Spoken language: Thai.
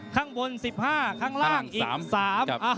ข้างบน๑๕ข้างล่างอีก๓